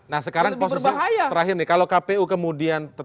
nah sekarang posisi terakhir nih kalau kpu kemudian